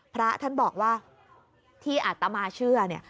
พระท่านบอกว่าที่อาตมาเชื่อเนี่ย